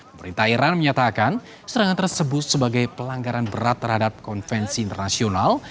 pemerintah iran menyatakan serangan tersebut sebagai pelanggaran berat terhadap konvensi internasional